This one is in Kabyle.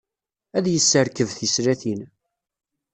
Ad yesserkeb tislatin.